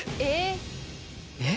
えっ。